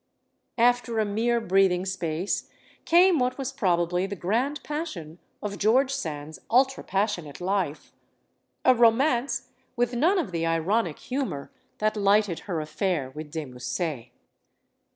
After a mere breathing space came what was probably the grand passion of George Sand's ultra passionate life; a romance with none of the ironic humor that lighted her affair with De Musset.